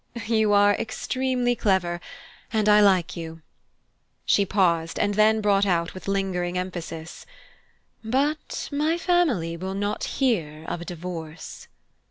"You are extremely clever, and I like you." She paused, and then brought out with lingering emphasis: "But my family will not hear of a divorce."